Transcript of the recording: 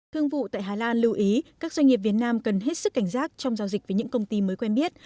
thương vụ tại hà lan lưu ý các doanh nghiệp việt nam cần hết sức cảnh giác trong giao dịch với những công ty mới quen biết